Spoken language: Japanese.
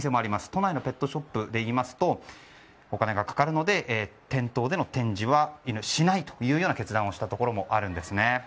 都内のペットショップだとお金がかかるので店頭での展示はしないという決断をしたところもあります。